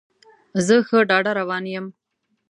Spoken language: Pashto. زه ښه ډاډه روان یم.